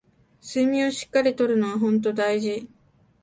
睡眠をしっかり取るのはほんと大事